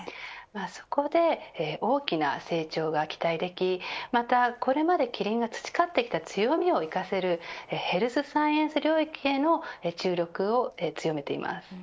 そこで、大きな成長が期待でき、またこれまでキリンが培ってきた強みを生かせるヘルスサイエンス領域への注力を強めています。